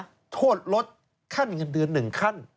ถ้าโทษลดขั้นเงินเดือน๑ขั้น